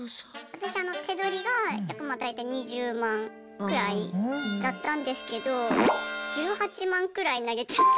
私手取りが約まあ大体２０万くらいだったんですけど１８万くらい投げちゃった。